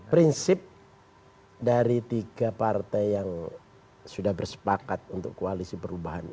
prinsip dari tiga partai yang sudah bersepakat untuk koalisi perubahan